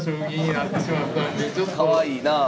かわいいなあ。